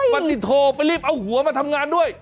ปฏิโทไปรีบเอาหัวมาทำงานด้วย